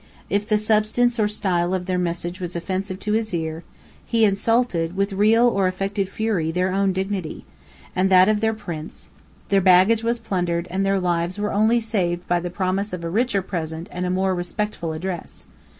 If the substance or the style of their message was offensive to his ear, he insulted, with real or affected fury, their own dignity, and that of their prince; their baggage was plundered, and their lives were only saved by the promise of a richer present and a more respectful address.